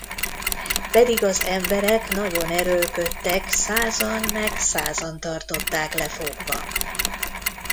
Pedig az emberek nagyon erőlködtek, százan meg százan tartották lefogva.